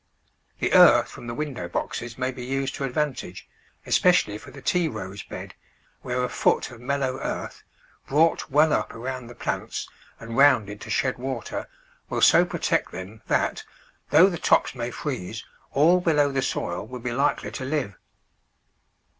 The earth from the window boxes may be used to advantage, especially for the Tea rose bed, where a foot of mellow earth, brought well up around the plants and rounded to shed water, will so protect them that, though the tops may freeze, all below the soil will be likely to live.